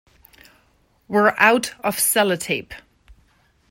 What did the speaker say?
We're out of sellotape.